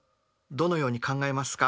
どのように考えますか？